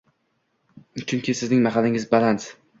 Chunki, sizning manzilingiz baland